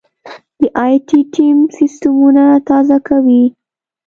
دا ائ ټي ټیم سیستمونه تازه کوي.